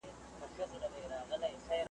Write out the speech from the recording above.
له خوب سره په مینه کي انسان په باور نه دی .